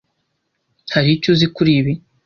Hari icyo uzi kuri ibi?